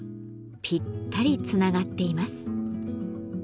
ぴったりつながっています。